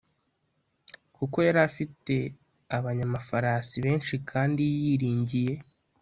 kuko yari afite abanyamafarasi benshi kandi yiringiye